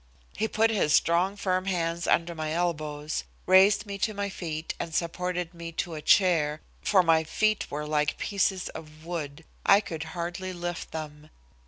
He put his strong, firm hands under my elbows, raised me to my feet and supported me to a chair, for my feet were like pieces of wood. I could hardly lift them.